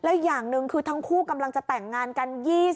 อีกอย่างหนึ่งคือทั้งคู่กำลังจะแต่งงานกัน